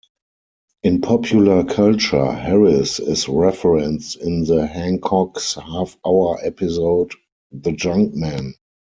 In popular culture, Harris is referenced in the Hancock's Half Hour episode 'The Junkman'.